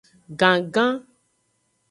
Gangan.